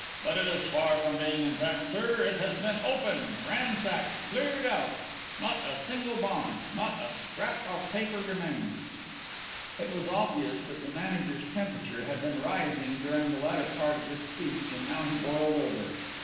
But it is far from being intact, sir. It has been opened; ransacked, cleared out. Not a single bond; not a scrap of paper remains." It was obvious that the manager's temperature had been rising during the latter part of this speech and now he boiled over.